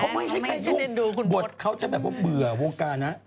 เขาไม่ให้ใครยุ่งบทเขาจะแบบว่าเบื่อวงการนะ